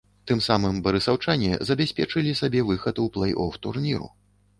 Тым самым барысаўчане забяспечылі сабе выхад у плэй-оф турніру.